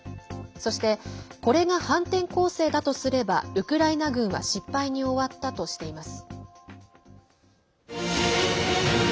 そして、これが反転攻勢だとすればウクライナ軍は失敗に終わったとしています。